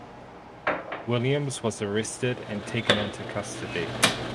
Williams was arrested and taken into custody.